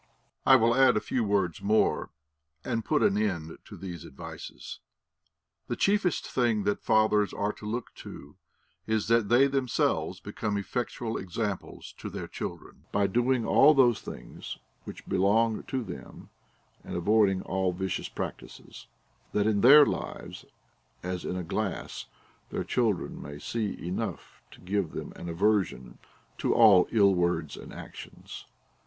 I will add a few words more, and put an end to these advices. The chiefest thing• that fathers are to look to is, that they themselves become effectual examples to their children, by doing all those things which belong to them and avoiding all vicious practices, that in their lives, as in a glass, their children may see enough to give them an aversion to all ill words anl actions.